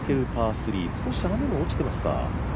３少し雨も落ちてますか。